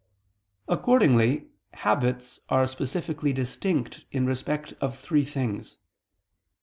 Accordingly habits are specifically distinct in respect of three things.